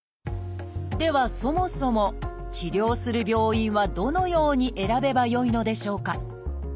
ではそもそも治療する病院はどのように選べばよいのでしょうか？